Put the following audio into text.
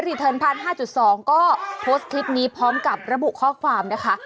เทิร์นพาร์ท๕๒ก็โพสต์คลิปนี้พร้อมกับระบุข้อความนะคะ